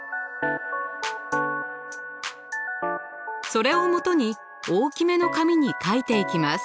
それをもとに大きめの紙に描いていきます。